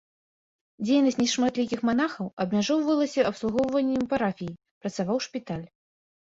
Дзейнасць нешматлікіх манахаў абмяжоўвалася абслугоўваннем парафіі, працаваў шпіталь.